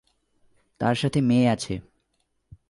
তার সাথে মেয়ে আছে।